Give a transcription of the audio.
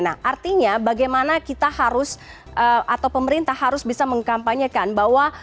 nah artinya bagaimana kita harus atau pemerintah harus bisa mengkampanyekan bahwa